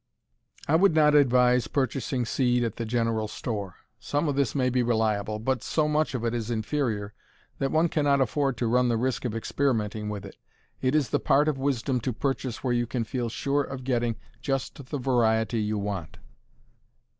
I would not advise purchasing seed at the general store. Some of this may be reliable, but so much of it is inferior that one cannot afford to run the risk of experimenting with it. It is the part of wisdom to purchase where you can feel sure of getting just the variety you want.